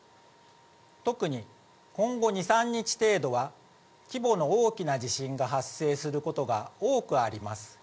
特に今後２、３日程度は、規模の大きな地震が発生することが多くあります。